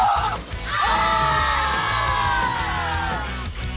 お！